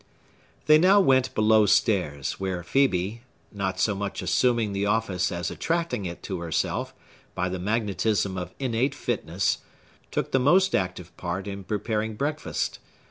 They now went below stairs, where Phœbe—not so much assuming the office as attracting it to herself, by the magnetism of innate fitness—took the most active part in preparing breakfast.